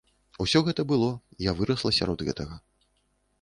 Усё гэта было, я вырасла сярод гэтага.